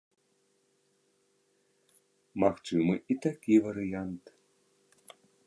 Магчымы і такі варыянт.